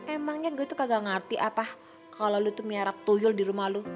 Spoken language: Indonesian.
emangnya gue tuh kagak ngerti apa kalau lo tuh miyara tuyul di rumah lo